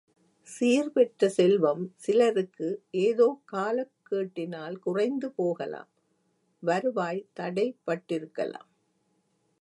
சீர் பெற்ற செல்வம் சிலருக்கு ஏதோ காலக் கேட்டினால் குறைந்து போகலாம் வருவாய் தடைபட்டிருக்கலாம்.